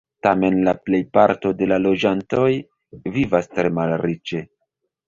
Tamen la plejparto de la loĝantoj vivas tre malriĉe.